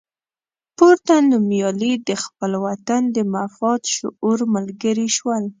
پورته نومیالي د خپل وطن د مفاد شعور ملګري شول.